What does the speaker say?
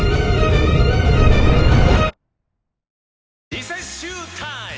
リセッシュータイム！